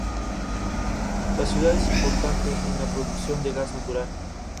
La ciudad es importante en la producción de gas natural.